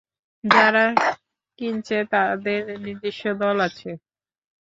যারা কিনছে তাদের নিজস্ব দল আছে।